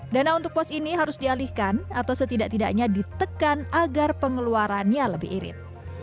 dana untuk pos ini harus dialihkan atau setidak tidaknya ditekan agar pengeluarannya lebih irit